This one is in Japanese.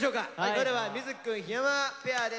それでは瑞稀くん檜山ペアです。